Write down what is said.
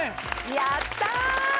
やった！